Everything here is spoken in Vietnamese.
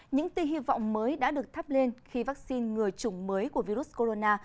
những tư hy vọng mới đã được thắp lên khi vaccine ngừa chủng mới của virus corona